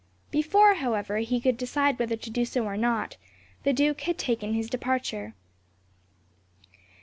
Before, however, he could decide whether to do so or not, the duke had taken his departure.